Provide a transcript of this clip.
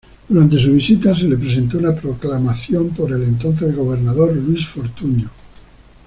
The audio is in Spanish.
Durante su visita, se le presentó una proclamación por el entonces gobernador Luis Fortuño.